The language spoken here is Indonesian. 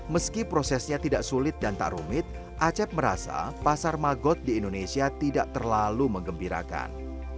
meski prosesnya tidak sulit dan tak rumit acep merasa pasar magot di indonesia tidak terlalu mengembirakan